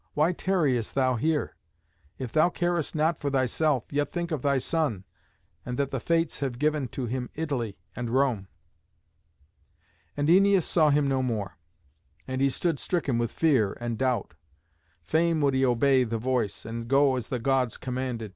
Why tarriest thou here? If thou carest not for thyself, yet think of thy son, and that the Fates have given to him Italy and Rome.'" And Æneas saw him no more. And he stood stricken with fear and doubt. Fain would he obey the voice, and go as the Gods commanded.